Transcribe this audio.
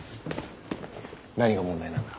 何が問題なんだ？